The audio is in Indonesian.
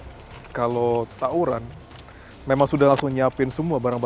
mas ini kalau tauran memang sudah langsung menyiapkan semua barangnya